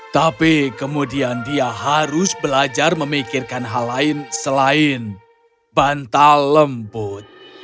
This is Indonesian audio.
tapi kemudian dia harus belajar memikirkan hal lain selain bantal lembut